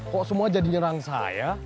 kok semua jadi nyerang saya